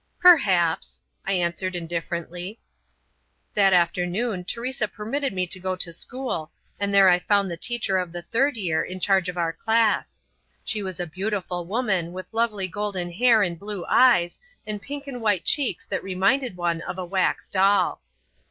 "Perhaps," I answered indifferently. That afternoon Teresa permitted me to go to school, and there I found the teacher of the Third Year in charge of our class. She was a beautiful woman with lovely golden hair and blue eyes, and pink and white cheeks that reminded one of a wax doll.